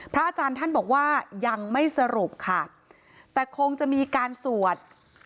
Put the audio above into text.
อาจารย์ท่านบอกว่ายังไม่สรุปค่ะแต่คงจะมีการสวด